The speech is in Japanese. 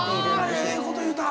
ええこと言うた！